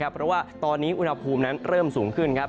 เพราะว่าตอนนี้อุณหภูมินั้นเริ่มสูงขึ้นครับ